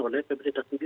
oleh pemerintah pusat ya